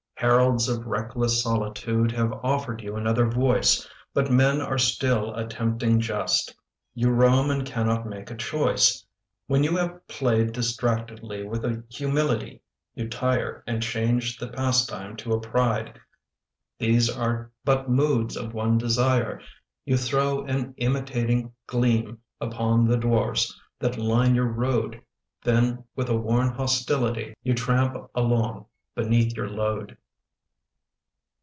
Heralds of reckless solitude Have offered you another voice, But men are still a tempting jest. You roam and cannot make a choice. When you have played distractedly With a humility, you tire And change the pastime to a pride. These are but moods of one desire. You throw an imitating gleam Upon the dwarfs that line your road, Then with a worn hostility You tramp along beneath your load.